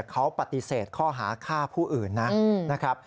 เขาปฏิเสธข้อหาฆ่าผู้อื่นนะครับ